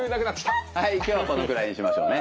はい今日はこのぐらいにしましょうね。